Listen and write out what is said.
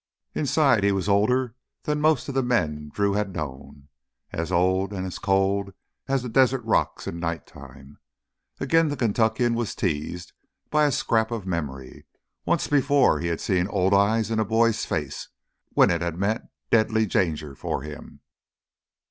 Inside he was older than most of the men Drew had known—as old and cold as the desert rocks in nighttime. Again the Kentuckian was teased by a scrap of memory. Once before he had seen old eyes in a boy's face, when it had meant deadly danger for him.